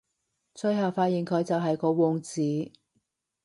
最後發現佢就係個王子